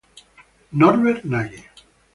Norbert Nagy